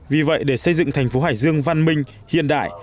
vì vậy để xây dựng thành phố hải dương văn minh hiện đại